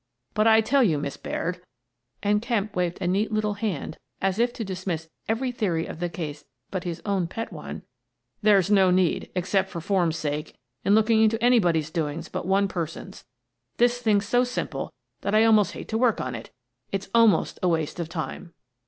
But I tell you, Miss Baird "— and Kemp waved a neat little hand as if to dismiss Kemp Learns the Truth 103 every theory of the case but his own pet one —" there's no need, except for form's sake, in looking into anybody's doing's but one person's. This thing's so simple that I almost hate to work on it — it's almost a waste of time."